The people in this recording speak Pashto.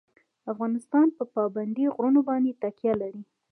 افغانستان په پابندی غرونه باندې تکیه لري.